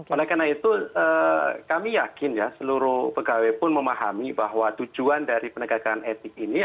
oleh karena itu kami yakin ya seluruh pegawai pun memahami bahwa tujuan dari penegakan etik ini